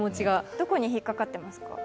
どこに引っかかってますか？